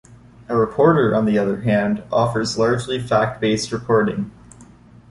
A reporter, on the other hand, offers largely fact-based reporting.